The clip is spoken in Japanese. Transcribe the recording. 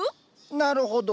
なるほど。